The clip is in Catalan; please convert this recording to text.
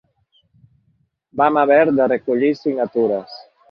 Vam haver de recollir signatures.